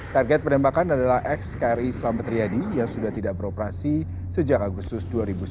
target penembakan adalah x kri selamat riyadi yang sudah tidak beroperasi sejak agustus dua ribu sembilan belas